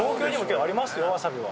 わさびは。